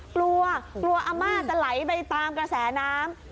กลัวกลัวอาม่าจะไหลไปตามกระแสน้ำ